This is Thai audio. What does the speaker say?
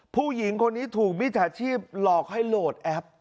ผู้หญิงคนนี้ถูกมิจฉาชีพหลอกให้โหลดแอป